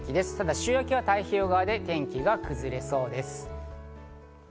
週明けは太平洋側で天気が崩れそうです。